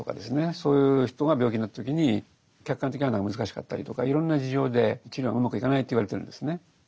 そういう人が病気になった時に客観的判断が難しかったりとかいろんな事情で治療がうまくいかないと言われてるんですね。